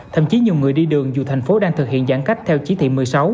thậm chí nhiều người đi đường dù thành phố đang thực hiện giãn cách theo chí thị một mươi sáu